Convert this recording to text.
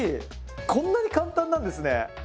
こんなに簡単なんですね。